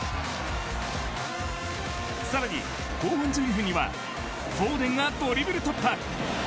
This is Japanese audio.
さらに後半１２分にはフォーデンがドリブル突破。